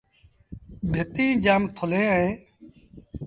ڀتيٚن جآم ٿُلين اهيݩ۔